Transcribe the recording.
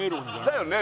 だよね